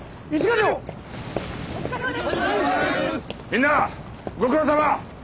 みんなご苦労さま！